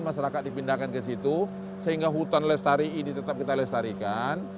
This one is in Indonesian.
masyarakat dipindahkan ke situ sehingga hutan lestari ini tetap kita lestarikan